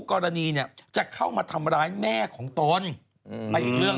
กรณีเนี่ยจะเข้ามาทำร้ายแม่ของตนไปอีกเรื่อง